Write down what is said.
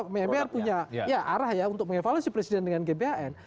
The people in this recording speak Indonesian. mpr punya arah ya untuk mengevaluasi presiden dengan gbhn